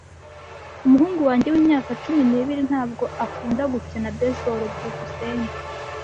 Umuhungu wanjye wimyaka cumi n'ibiri ntabwo akunda gukina baseball. byukusenge